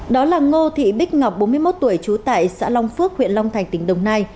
đó là ngô thị bích ngọc bốn mươi một tuổi trú tại xã long phước huyện long thành tỉnh đồng nai